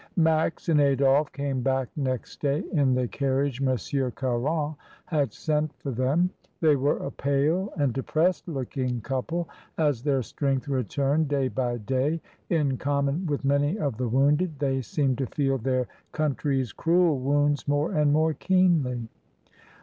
... Max and Adolphe came back next day in the carriage M. Caron had sent for them. They were a pale and depressed looking couple. As their strength returned day by day, in common with many of the wounded they seemed to feel their country's cruel wounds more and more keenly.